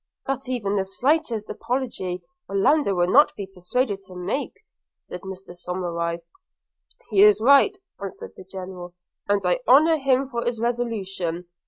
'But even the slightest apology Orlando will not be persuaded to make,' said Mr Somerive. 'He is right,' answered the General; 'and I honour him for his resolution.